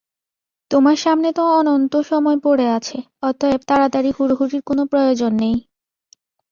তোমার সামনে তো অনন্ত সময় পড়ে আছে, অতএব তাড়াতাড়ি হুড়োহুড়ির কোন প্রয়োজন নেই।